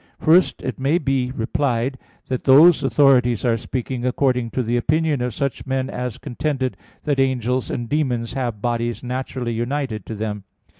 First, it may be replied that those authorities are speaking according to the opinion of such men as contended that angels and demons have bodies naturally united to them.